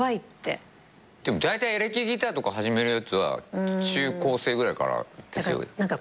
でもだいたいエレキギターとか始めるやつは中高生ぐらいからですよ。